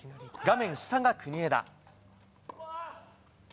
画面下が国枝。